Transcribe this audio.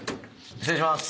失礼します。